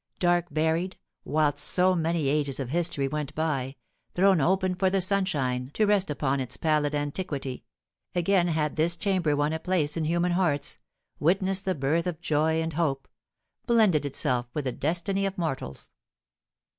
Dark buried whilst so many ages of history went by, thrown open for the sunshine to rest upon its pallid antiquity, again had this chamber won a place in human hearts, witnessed the birth of joy and hope, blended itself with the destiny of mortals.